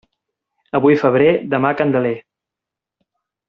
Avui febrer, demà Candeler.